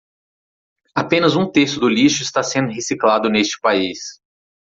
Apenas um terço do lixo está sendo reciclado neste país.